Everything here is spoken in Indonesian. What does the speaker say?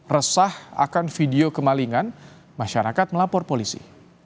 resah akan video kemalingan masyarakat melapor polisi